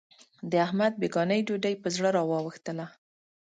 د احمد بېګانۍ ډوډۍ په زړه را وا وښتله.